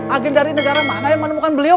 agen dari negara mana yang menemukan beliau